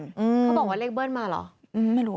เขาบอกว่าเลขเบิ้ลมาเหรอ